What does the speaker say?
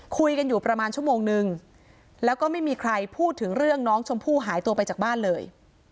คุยกันอยู่ประมาณชั่วโมงนึงแล้วก็ไม่มีใครพูดถึงเรื่องน้องชมพู่หายตัวไปจากบ้านเลย